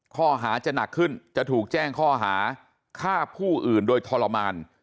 ข้อหาจะหนักขึ้นจะถูกแจ้งข้อหาฆ่าผู้อื่นโดยทรมาน